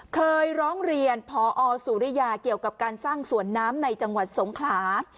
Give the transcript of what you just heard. เคยร้องเรียนพอสุริยาเกี่ยวกับการสร้างสวนน้ำในจังหวัดสงขลา